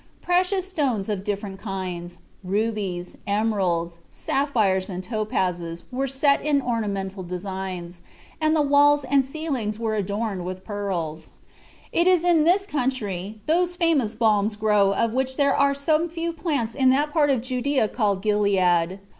Precious stones of different kinds, rubies, emeralds, sapphires, and topazes were set in ornamental designs, and the walls and ceilings were adorned with pearls. It is in this country those famous balms grow of which there are some few plants in that part of Judaea called Gilead.